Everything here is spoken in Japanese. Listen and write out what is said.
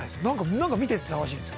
なんか見てて楽しいんですよ。